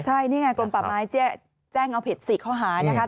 ใช่นี่ไงกลมป่าไม้แจ้งเอาผิด๔ข้อหานะคะ